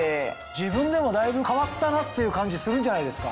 自分でもだいぶ変わったなっていう感じするんじゃないですか？